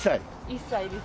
１歳です。